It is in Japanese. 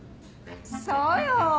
そうよ。